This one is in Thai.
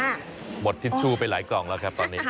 หมดทิชชู่ไปหลายกล่องแล้วครับตอนนี้